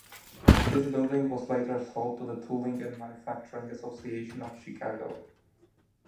This building was later sold to the Tooling and Manufacturing Association of Chicago.